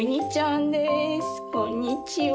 こんにちは。